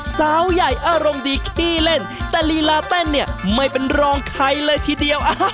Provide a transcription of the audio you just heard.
สาวใหญ่อารมณ์ดีขี้เล่นแต่ลีลาเต้นเนี่ยไม่เป็นรองใครเลยทีเดียว